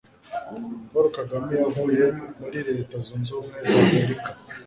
Paul Kagame yavuye muri Leta Zunze Ubumwe z'Amerika